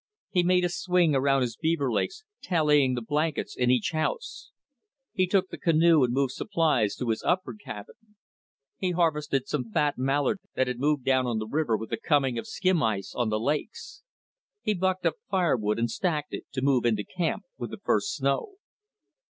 He made a swing around his beaver lakes, tallying the blankets in each house. He took the canoe and moved supplies to his upper cabin. He harvested some fat mallards that had moved down on the river with the coming of skim ice on the lakes. He bucked up firewood and stacked it to move into camp with the first snow.